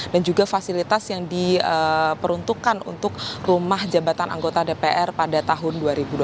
dan juga fasilitas yang diperuntukkan untuk rumah jabatan anggota dpr pada tahun dua ribu dua puluh